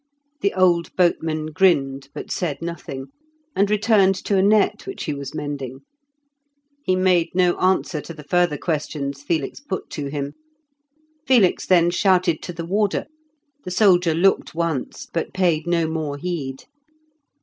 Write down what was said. The old boatman grinned, but said nothing, and returned to a net which he was mending. He made no answer to the further questions Felix put to him. Felix then shouted to the warder; the soldier looked once, but paid no more heed.